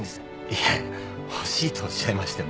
いえ欲しいとおっしゃいましても。